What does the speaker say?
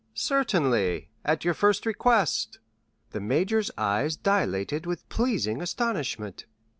"Certainly, at your first request." The major's eyes dilated with pleasing astonishment.